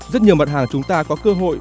rất nhiều mặt hàng chúng ta có cơ hội